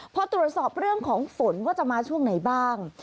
พอตรวจสอบเรื่องของฝนว่าจะมาช่วงไหนบ้าง